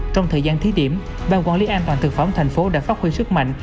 trong thời gian thí điểm ban quản lý an toàn thực phẩm tp hcm đã phát huy sức mạnh